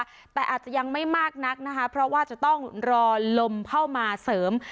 แต่อาจจะยังไม่มากนักนะคะเพราะว่าจะต้องรอลมเข้ามาเสริม